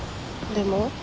でも？